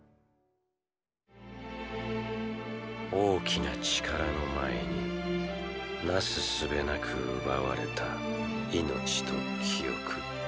大きな力の前になすすべなく奪われた命と記憶。